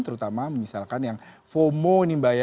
terutama misalkan yang fomo ini mbak ya